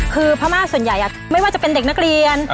คือพม่าส่วนใหญ่ไม่ว่าจะเป็นเด็กนักเรียน